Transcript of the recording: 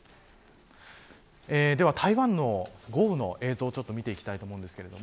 では台湾の豪雨の映像を見ていきたいと思います。